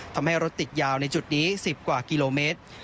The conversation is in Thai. ทำให้รถติดยาวในจุดนี้๑๐กว่ากิโลเมตร